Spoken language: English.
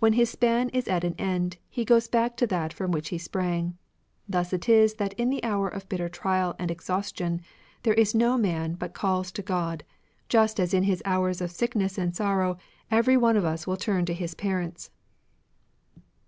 When his span is at an end, he goes back to that from which he sprang. Thus it is that in the hour of bitter trial and exhaustion, there is no man but calls to God, just as in his hours of sickness and sorrow every one of us will turn to his parents."